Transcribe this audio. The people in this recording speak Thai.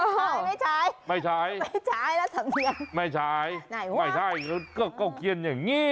แปลว่าจะต้องเป็นร้านกาแฟสดแบบใต้ในนี้